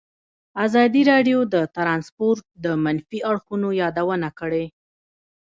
ازادي راډیو د ترانسپورټ د منفي اړخونو یادونه کړې.